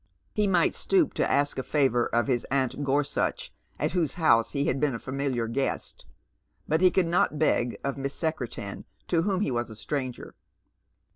He might stoop to ask a favour of aunt Gorsuch, at whosu house he had been a familiar guest, but he could not beg of Mie ;. Secretan, to whom he was a stranger.